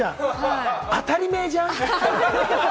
当たりめぇじゃん！